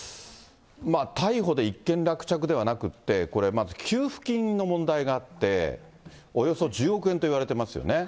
逮捕で一件落着ではなくて、これ、まず給付金の問題があって、およそ１０億円といわれてますよね。